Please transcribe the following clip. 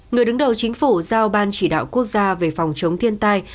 người đứng đầu chính phủ giao ban chỉ đạo quốc gia về phòng chống thiên tai